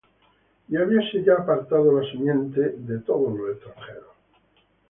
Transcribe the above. Y habíase ya apartado la simiente de Israel de todos los extranjeros;